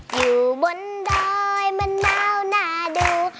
อยู่บนดอยมันเมาหนาดู